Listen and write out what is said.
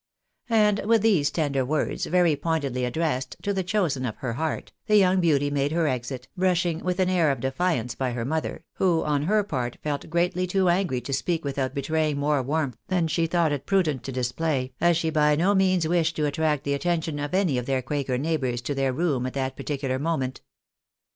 And with these tender words, very pointedly addressed to the chosen of her heart, the young beauty made her exit, brushing with an air of defiance by her mother, who, on her part, felt greatly too angry to speak without betraying more warmth than she thought it prudent to display, as she by no means wished to attract the attention of any of their quaker neighbours to their room at that particular moment.